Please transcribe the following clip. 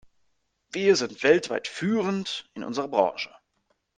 Wir sind weltweit führend in unserer Branche.